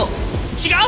違う！